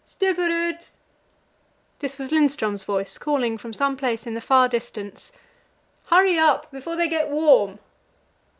"Stubberud!" this was Lindström's voice, calling from some place in the far distance "hurry up, before they get warm!"